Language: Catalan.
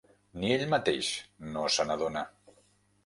Ni ell mateix no se n'adona.